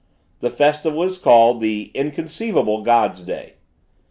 The festival is called the "inconceivable God's day."